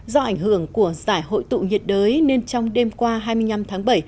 do ảnh hưởng của giải hội tụ nhiệt đới nên trong đêm qua hai mươi năm tháng bảy